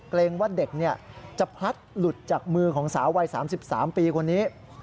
เกรงว่าเด็กจะพลัดหลุดจากมือของสาววัย๓๓ปีคนนี้